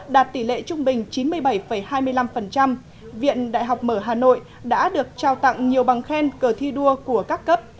đạt tỷ lệ trung bình chín mươi bảy hai mươi năm viện đại học mở hà nội đã được trao tặng nhiều bằng khen cờ thi đua của các cấp